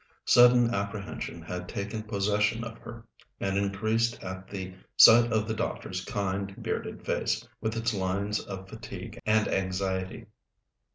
Sudden apprehension had taken possession of her, and increased at the sight of the doctor's kind bearded face, with its lines of fatigue and anxiety.